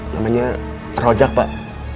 namanya rojak pak